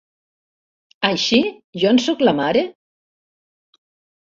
Així jo en sóc la mare?